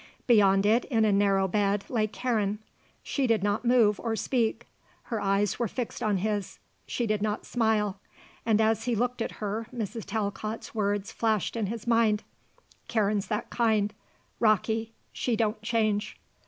Beyond it in a narrow bed lay Karen. She did not move or speak; her eyes were fixed on his; she did not smile. And as he looked at her Mrs. Talcott's words flashed in his mind: "Karen's that kind: rocky: she don't change."